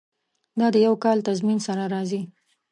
دا د یو کال تضمین سره راځي.